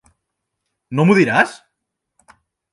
No m'ho diràs?